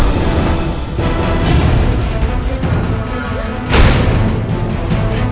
tidak ada apa apa